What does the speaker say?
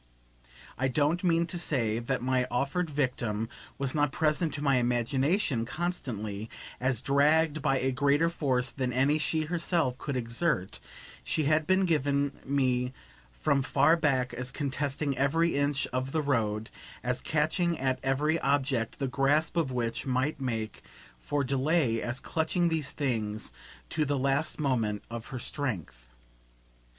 I don't mean to say that my offered victim was not present to my imagination, constantly, as dragged by a greater force than any she herself could exert; she had been given me from far back as contesting every inch of the road, as catching at every object the grasp of which might make for delay, as clutching these things to the last moment of her strength.